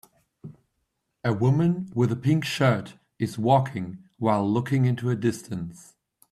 A woman with a pink shirt is walking while looking into a distance.